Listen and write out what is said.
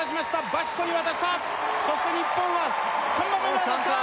バシットに渡したそして日本は３番目になりました